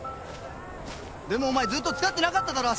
でもお前ずっと使ってなかっただろ足。